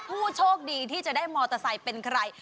ผู้โชคดีที่จะได้มอเตอร์ไซค์เป็นใคร